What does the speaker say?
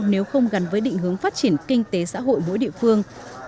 nếu không gắn với định hướng phát triển kinh tế xã hội mỗi địa phương